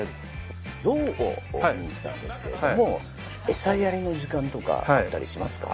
ゾウを見に来たんですけど餌やりの時間とかあったりしますか？